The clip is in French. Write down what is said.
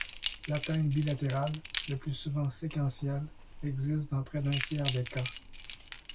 L'atteinte bilatérale, le plus souvent séquentielle, existe dans près d'un tiers des cas.